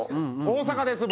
大阪です